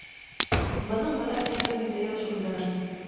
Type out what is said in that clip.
Бының менән мин бер нисә йыл шөғөлләнәм.